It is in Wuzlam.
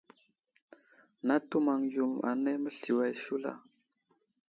Natu maŋ yo anay məsliyo ashula.